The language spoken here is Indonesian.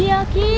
iya betul ki